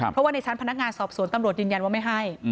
เพราะว่าในชั้นพนักงานสอบสวนตำรวจยืนยันว่าไม่ให้